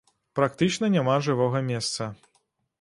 Практычна няма жывога месца.